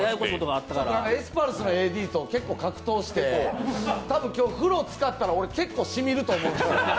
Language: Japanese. エスパルスのＡＤと結構格闘して、多分俺、風呂つかったら、結構染みると思うんで。